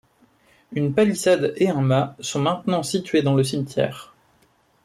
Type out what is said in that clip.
Une palissade et un mât sont maintenant situés dans le cimetière.